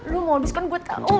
lo modus kan gue tau